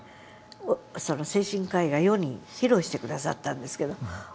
その精神科医が世に披露して下さったんですけど